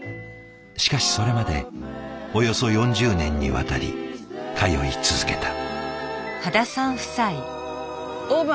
しかしそれまでおよそ４０年にわたり通い続けた。